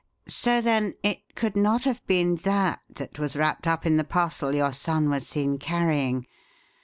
So, then, it could not have been that that was wrapped up in the parcel your son was seen carrying.